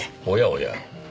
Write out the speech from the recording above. おやおや。